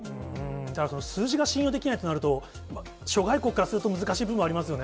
ただ数字が信頼できないとなると、諸外国からすると、難しい部分もありますよね。